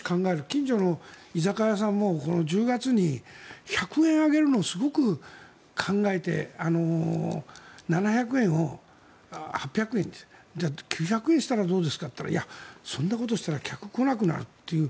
近所の居酒屋さんも１０月に１００円上げるのをすごく考えて７００円を８００円にするじゃあ９００円にしたらどうですかと言ったらいや、そんなことしたら客が来なくなるという。